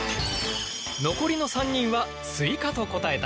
残りの３人は「スイカ」と答えた。